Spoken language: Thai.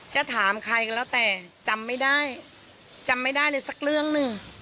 จะถามใครก็แล้วแต่จำไม่ได้จำไม่ได้เลยสักเรื่องหนึ่ง